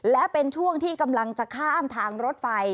และเป็นช่วงที่กำลังจะข้ามทางรถไฟ